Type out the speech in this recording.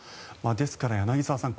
ですから、柳澤さん